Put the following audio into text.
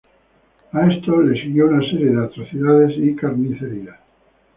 A esto le siguió una serie de atrocidades y carnicerías.